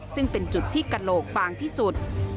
ซึ่งเป็นจุดที่กระโหลกฟางที่สุด